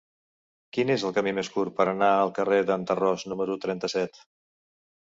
Quin és el camí més curt per anar al carrer d'en Tarròs número trenta-set?